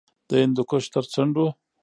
د هندوکش تر څنډو